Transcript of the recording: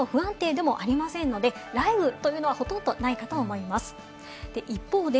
きのうほど不安定でもありませんので、雷雨というのは、ほとんどないかと思います。